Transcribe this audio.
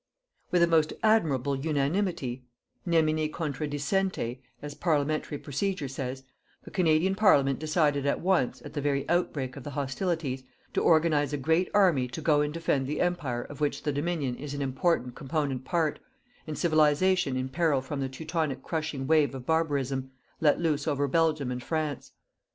With a most admirable unanimity nemine contradicente, as Parliamentary procedure says the Canadian Parliament decided at once, at the very outbreak of the hostilities, to organize a great army to go and defend the Empire of which the Dominion is an important component part, and Civilization in peril from the Teutonic crushing wave of barbarism, let loose over Belgium and France.